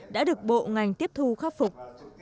đã được bộ ngành tiếp thu khắc phục